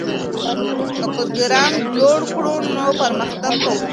که پروګرام جوړ کړو نو پرمختګ کوو.